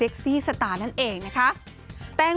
กำลังเลย